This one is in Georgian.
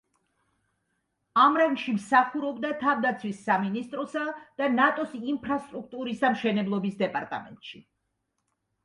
ამ რანგში მსახურობდა თავდაცვის სამინისტროსა და ნატოს ინფრასტრუქტურის და მშენებლობის დეპარტამენტში.